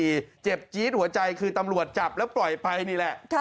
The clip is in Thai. เจ็บจี๊ดหัวใจคือตำรวจจับแล้วปล่อยไปนี่แหละ